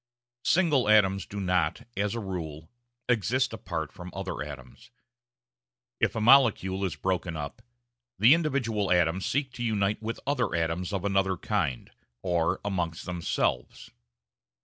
Single atoms do not, as a rule, exist apart from other atoms; if a molecule is broken up, the individual atoms seek to unite with other atoms of another kind or amongst themselves.